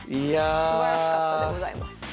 すばらしかったでございます。